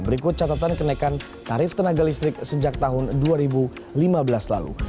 berikut catatan kenaikan tarif tenaga listrik sejak tahun dua ribu lima belas lalu